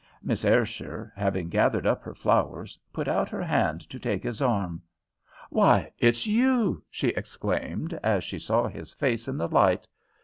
Miss Ayrshire, having gathered up her flowers, put out her hand to take his arm. "Why, it's you!" she exclaimed, as she saw his face in the light.